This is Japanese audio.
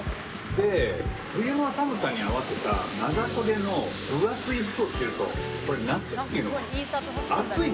で冬の寒さに合わせた長袖の分厚い服を着てると夏っていうのは暑いんですよね。